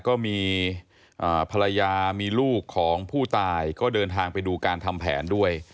ก็มีภรรยามีลูกของผู้ตายก็เดินทางไปดูการทำแผนด้วย